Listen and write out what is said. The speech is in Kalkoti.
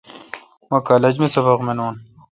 مہ کالج می سبق مینون۔